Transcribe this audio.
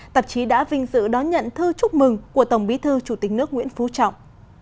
tạp chí đã vinh dự đón nhận thư chúc mừng của tổng bí thư chủ tịch nước nguyễn phú trọng